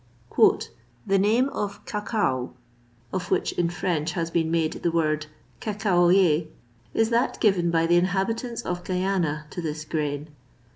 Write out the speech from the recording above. "The name of cacao, of which in French has been made the word cacaoyer, is that given by the inhabitants of Guiana to this grain.